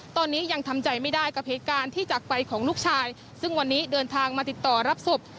ตอนนี้ยังทำใจไม่ได้กับเหตุการณ์ที่จากไปของลูกชายซึ่งวันนี้เดินทางมาติดต่อรับศพ